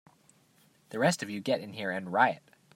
The rest of you get in here and riot!